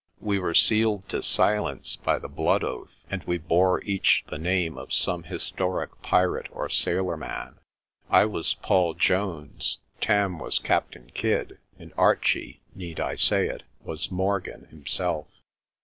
We were sealed to silence by the blood oath, and we bore each the name of some historic pirate or sailorman. I was Paul Jones, Tarn was Captain Kidd, and Archie, need I say it, was Morgan himself.